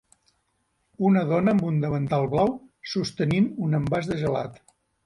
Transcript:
Una dona amb un davantal blau sostenint un envàs de gelat